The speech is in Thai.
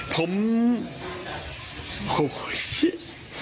ผมโอ้โฮเช่น